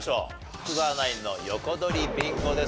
福澤ナインの横取りビンゴです。